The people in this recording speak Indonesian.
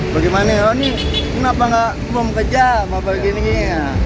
bagaimana ya oh ini kenapa enggak mau bekerja mau begini gini